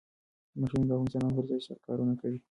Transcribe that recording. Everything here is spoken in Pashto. ماشینونه د انسانانو پر ځای سخت کارونه کوي.